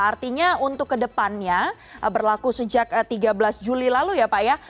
artinya untuk kedepannya berlaku sejak tiga belas juli lalu ya pak ya